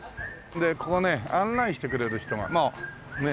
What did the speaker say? でここね案内してくれる人がまあねえ。